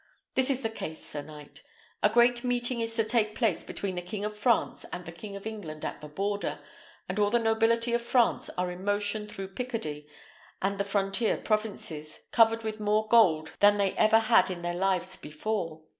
This is the case, sir knight. A great meeting is to take place between the King of France and the King of England at the border, and all the nobility of France are in motion through Picardy and the frontier provinces, covered with more gold than they ever had in their lives before.